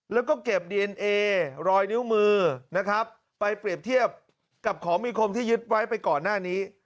แล้วก็เก็บดีเอนเอรอยนิ้วมือนะครับไปเปรียบเทียบกับของมีคมที่ยึดไว้ไปก่อนหน้านี้